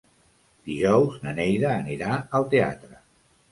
Dijous na Neida anirà al teatre.